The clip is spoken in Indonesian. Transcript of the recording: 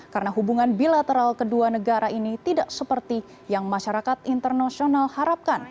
karena hubungan bilateral kedua negara ini tidak seperti yang masyarakat internasional harapkan